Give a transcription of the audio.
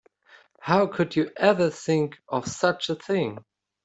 How could you ever think of such a thing?